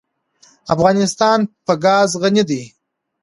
افغانستان په ګاز غني دی.